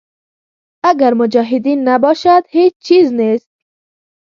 اګر مجاهدین نباشد هېچ چیز نیست.